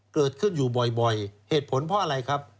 เกิดขึ้นอยู่บ่อยเหตุผลเพราะอะไรครับ